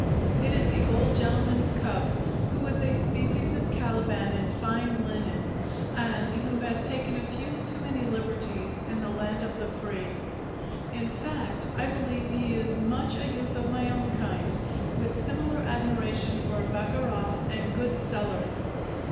It is the old gentleman's cub, who is a species of Caliban in fine linen, and who has taken a few too many liberties in the land of the free. In fact, I believe he is much a youth of my own kind with similar admiration for baccarat and good cellars.